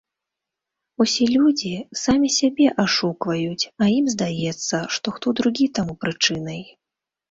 Усе людзі самі сябе ашукваюць, а ім здаецца, што хто другі таму прычынай.